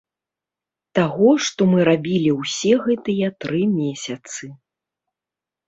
Таго, што мы рабілі ўсе гэтыя тры месяцы.